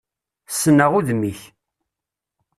Ssneɣ udem-ik.